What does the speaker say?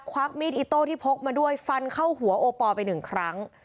วักมีดอิโต้ที่พกมาด้วยฟันเข้าหัวโอปอลไปหนึ่งครั้ง